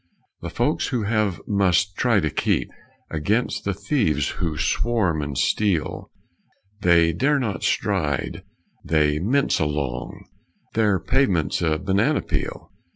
The folks who have must try to keep Against the thieves who swarm and steal; They dare not stride, they mince along Their pavement's a banana peel.